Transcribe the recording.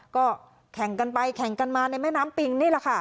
ก็แข่งกันไปแข่งกันมาในแม่น้ำปิงนี่แหละค่ะ